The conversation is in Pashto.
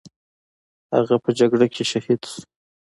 هغه په جګړه کې شهید شو.